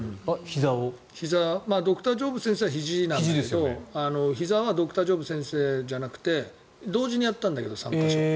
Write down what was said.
ドクタージョーブ先生はひじなんですけど、ひざはドクタージョーブ先生じゃなくて同時にやったんだけど、３か所。